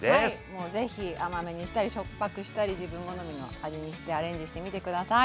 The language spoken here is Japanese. もう是非甘めにしたりしょっぱくしたり自分好みの味にしてアレンジしてみて下さい！